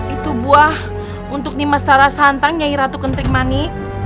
itu buah untuk nyai ratu kentrik mani